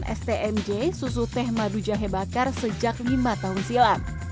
stmj susu teh madu jahe bakar sejak lima tahun silam